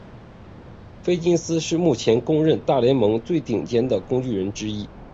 菲金斯是目前公认大联盟最顶尖的工具人之一。